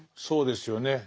そうですよね。